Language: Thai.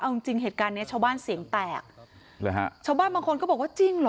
เอาจริงจริงเหตุการณ์เนี้ยชาวบ้านเสียงแตกหรือฮะชาวบ้านบางคนก็บอกว่าจริงเหรอ